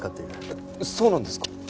そうなんですか？